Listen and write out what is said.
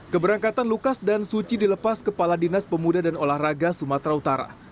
keberangkatan lukas dan suci dilepas kepala dinas pemuda dan olahraga sumatera utara